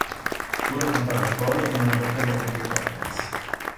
Tula comparve poi in una battaglia contro i Titans.